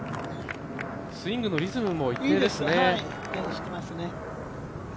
スイングのリズムも一定ですね。